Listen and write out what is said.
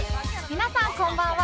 皆さんこんばんは。